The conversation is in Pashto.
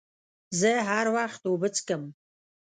زه هر وخت اوبه څښم.